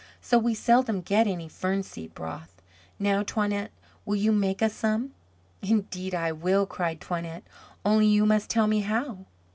So we seldom get any fern seed broth. Now, Toinette, will you make us some?" "Indeed, I will!" cried Toinette, "only you must tell me how."